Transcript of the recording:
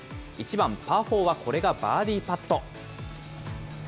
１番パーフォーはこれがバーディーパット。